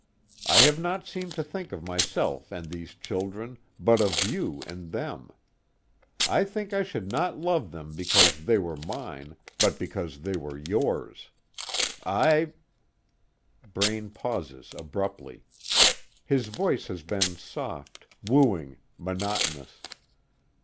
I have not seemed to think of myself and these children, but of you and them. I think I should not love them because they were mine, but because they were yours. I " Braine pauses abruptly. His voice has been soft, wooing, monotonous.